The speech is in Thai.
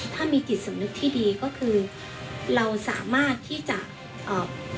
ถ้ามีจิตสำนึกที่ดีก็คือเราสามารถที่จะเอ่อ